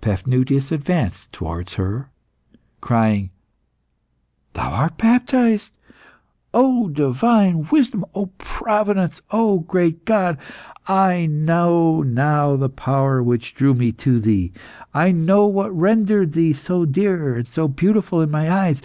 Paphnutius advanced towards her, crying "Thou art baptised! O divine wisdom! O Providence! O great God! I know now the power which drew me to thee. I know what rendered thee so dear and so beautiful in my eyes.